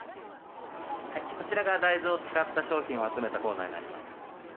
こちらが大豆を使った商品を集めたコーナーになります。